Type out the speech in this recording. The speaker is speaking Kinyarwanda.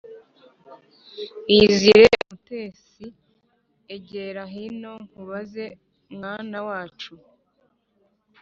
iyizire umutesi egera hino nkubaze mwana wacu